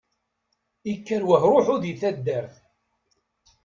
Ikker wahruḥu di taddart.